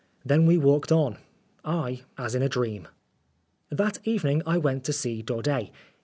Then we walked on I as in a dream. That evening I went to see Daudet.